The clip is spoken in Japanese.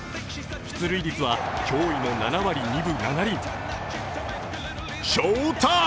出塁率は驚異の７割２分７厘。